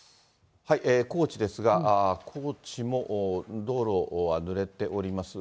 高知ですが、高知も道路はぬれております。